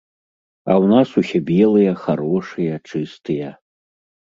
А ў нас усе белыя, харошыя, чыстыя!